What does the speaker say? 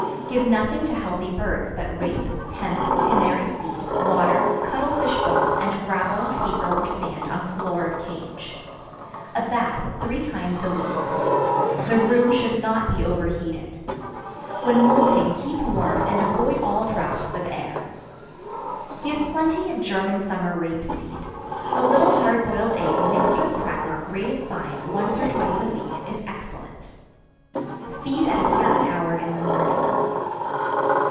Give nothing to healthy birds but rape, hemp, canary seed, water, cuttle fish bone, and gravel, paper or sand on floor of cage. A bath three times a week; The room should not be overheated. When moulting keep warm and avoid all draughts of air. Give plenty of German summer rape seed. A little hard boiled egg mixed with cracker, grated fine, once or twice a week, is excellent. Feed at a certain hour in the morning.